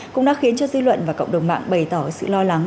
cũng đã khiến cho dư luận và cộng đồng mạng bày tỏ sự lo lắng